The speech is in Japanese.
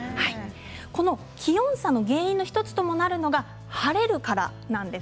この気温差の原因の１つともなるのが晴れるからなんです。